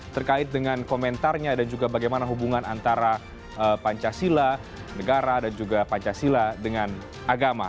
terkait dengan komentarnya dan juga bagaimana hubungan antara pancasila negara dan juga pancasila dengan agama